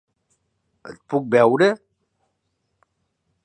El puc veure?